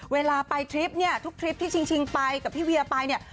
เวลาไปทริปเนี่ยทุกทริปที่ชิงไปกับพี่เวียไปเนี่ย